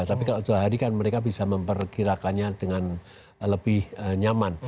tapi kalau jauh hari kan mereka bisa memperkirakannya dengan lebih nyaman